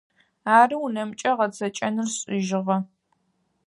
Ары, унэмкӏэ гъэцэкӏэныр сшӏыжьыгъэ.